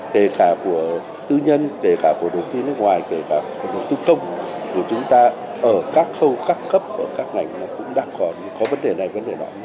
để cả của tư nhân để cả của đội thiên nước ngoài để cả của nguồn tư công của chúng ta ở các khâu các cấp các ngành cũng đang còn có vấn đề này vấn đề đó